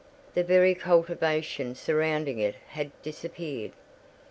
The very cultivation surrounding it had disappeared.